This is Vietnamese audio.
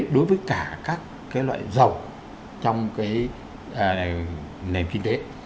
đối với cả các cái loại dầu trong cái nền kinh tế